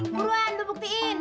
buruan lu buktiin